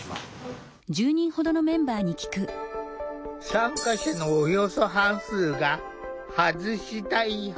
参加者のおよそ半数が「外したい」派。